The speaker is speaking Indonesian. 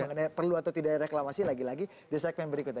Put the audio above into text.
mengenai perlu atau tidak reklamasi lagi lagi di segmen berikutnya